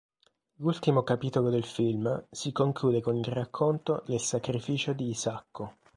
L'ultimo capitolo del film si conclude con il racconto del sacrificio di Isacco.